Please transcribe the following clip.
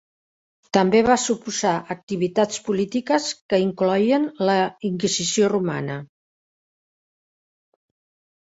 També va suposar activitats polítiques que incloïen la Inquisició romana.